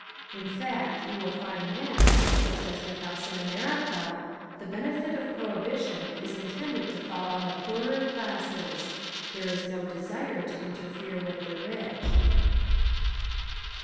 In fact you will find that, just as with us in America, the benefit of prohibition is intended to fall on the poorer classes. There is no desire to interfere with the rich.